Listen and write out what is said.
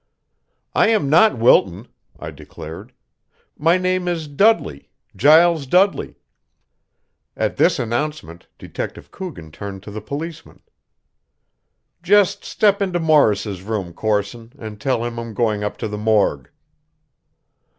"I am not Wilton," I declared. "My name is Dudley Giles Dudley." At this announcement Detective Coogan turned to the policeman. "Just step into Morris' room, Corson, and tell him I'm going up to the morgue."